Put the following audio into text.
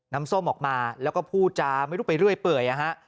ส้มออกมาแล้วก็พูดจาไม่รู้ไปเรื่อยเปื่อย